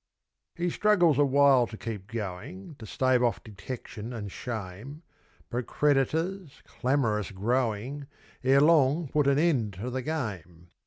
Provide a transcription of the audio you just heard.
He struggles awhile to keep going, To stave off detection and shame; But creditors, clamorous growing, Ere long put an end to the game.